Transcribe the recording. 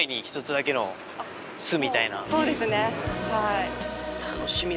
そうですねはい。